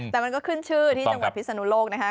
แต่มันก็ขึ้นชื่อที่จังหวัดพิศนุโลกนะคะ